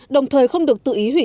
đồng thời không được tự ý hủy